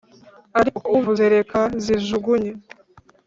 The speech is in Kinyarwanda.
ariko kuko ubivuze reka nzijugunye